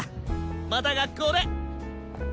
また学校で！